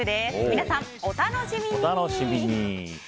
皆さん、お楽しみに。